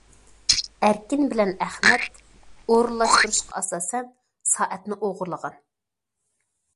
ئەركىن بىلەن ئەخمەت ئورۇنلاشتۇرۇشقا ئاساسەن سائەتنى ئوغرىلىغان.